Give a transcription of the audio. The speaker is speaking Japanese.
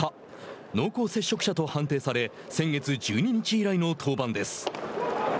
濃厚接触者と判定され先月１２日以来の登板です。